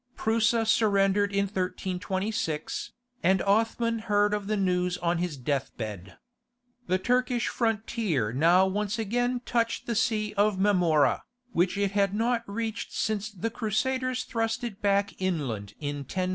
Prusa surrendered in 1326, and Othman heard of the news on his death bed. The Turkish frontier now once again touched the Sea of Marmora, which it had not reached since the Crusaders thrust it back inland in 1097.